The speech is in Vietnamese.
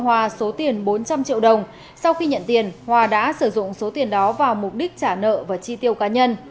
hòa số tiền bốn trăm linh triệu đồng sau khi nhận tiền hòa đã sử dụng số tiền đó vào mục đích trả nợ và chi tiêu cá nhân